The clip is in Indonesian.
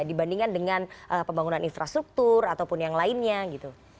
dibandingkan dengan pembangunan infrastruktur ataupun yang lainnya gitu